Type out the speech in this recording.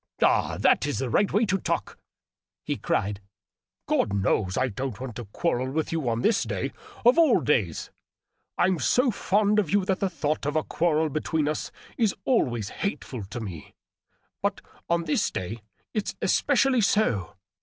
" Ah, that is the right way to talk !" he cried. " God knows I don't want to quarrel with you on this day, of all days ! I'm so fond of you that the thought of a quarrel between us is always hateful to me — but on this day it's especially so.